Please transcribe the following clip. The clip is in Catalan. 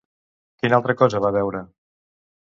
Quina altra cosa va veure?